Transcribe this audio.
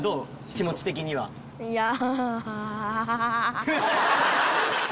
気持ち的には・いや。